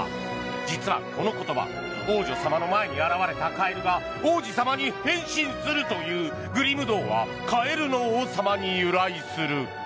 実はこの言葉王女様の前に現れたカエルが王子様に変身するというグリム童話「かえるの王さま」に由来する。